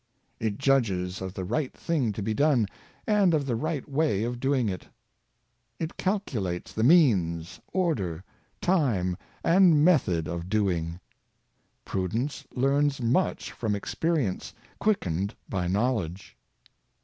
It judges of the right thing to be done, and of the right way of doing it. It calculates the means, order, time, and method of doing. Prudence learns much from experience, quickened by knowledge.